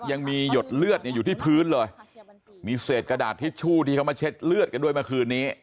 ยังมีหยดเลือดเนี่ยอยู่ที่พื้นเลยมีเศษกระดาษทิชชู่ที่เขามาเช็ดเลือดกันด้วยเมื่อคืนนี้